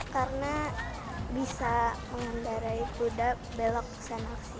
karena bisa mengendarai kuda belok belok